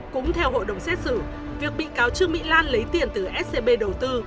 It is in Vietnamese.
cũng theo hội đồng xét xử việc bị cáo trương mỹ lan lấy tiền từ scb đầu tư